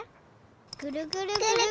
ぐるぐるぐるぐる！